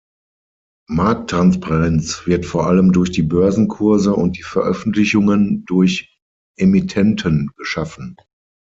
Markttransparenz wird vor allem durch die Börsenkurse und die Veröffentlichungen durch Emittenten geschaffen.